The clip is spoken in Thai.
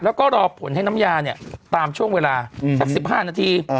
แล้วก็รอผลให้น้ำยาเนี่ยตามช่วงเวลาสัก๑๕นาที